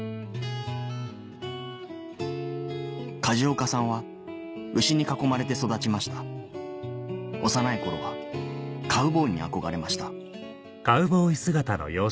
梶岡さんは牛に囲まれて育ちました幼い頃はカウボーイに憧れました